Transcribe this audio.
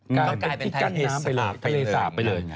ก็กลายเป็นที่กัดน้ำไปเลย